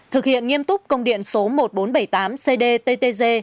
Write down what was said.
thực hiện nghiêm túc công điện số một nghìn bốn trăm bảy mươi tám cdttg